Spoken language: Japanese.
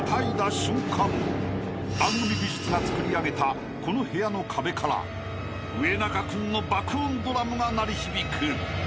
［番組美術が作り上げたこの部屋の壁から上中君の爆音ドラムが鳴り響く］